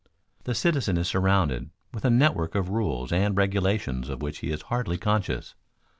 The citizen is surrounded with a network of rules and regulations of which he is hardly conscious.